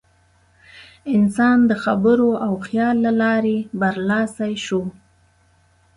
انسان د خبرو او خیال له لارې برلاسی شو.